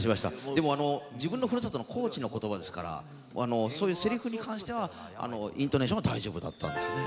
でも自分のふるさとの高知の言葉ですからそういうせりふに関してはイントネーションは大丈夫だったんですよね。